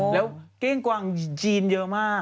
แล้วเก้งกวางจีนเยอะมาก